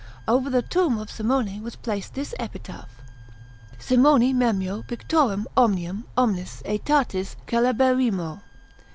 Over the tomb of Simone was placed this epitaph: SIMONI MEMMIO PICTORUM OMNIUM OMNIS ÆTATIS CELEBERRIMO.